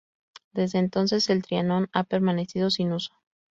Desde entonces el Trianón ha permanecido sin uso.